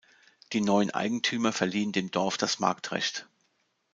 Die neuen Eigentümer verliehen dem Dorf das Marktrecht.